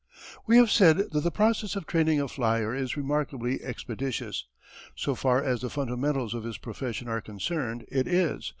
_] We have said that the process of training a flyer is remarkably expeditious. So far as the fundamentals of his profession are concerned it is.